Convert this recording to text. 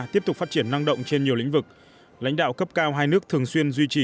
tiếp tục phát triển năng động trên nhiều lĩnh vực lãnh đạo cấp cao hai nước thường xuyên duy trì